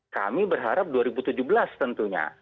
kami berharap dua ribu tujuh belas tentunya